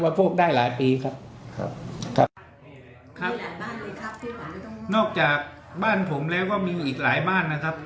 โภคได้หลายปีครับครับนอกจากบ้านผมแล้วก็มีอีกหลายบ้านนะครับ